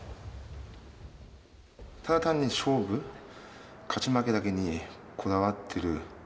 ただ単に勝負勝ち負けだけにこだわってる。